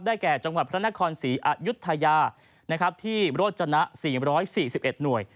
แก่จังหวัดพระนครศรีอายุทยาที่โรจนะ๔๔๑หน่วย